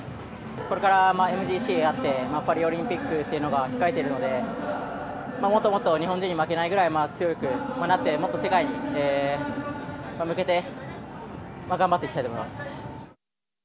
これからＭＧＣがあってパリオリンピックというのが控えているのでもっと日本人に負けないぐらい強くなって世界に向けて頑張っていきたいと思います。